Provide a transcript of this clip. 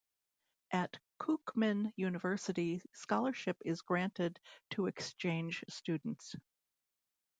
At Kookmin University scholarship is granted to exchange students.